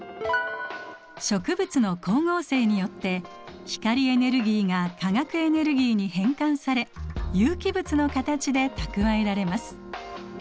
植物の光合成によって光エネルギーが化学エネルギーに変換され有機物の形で蓄えられます。